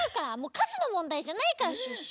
かずのもんだいじゃないからシュッシュ。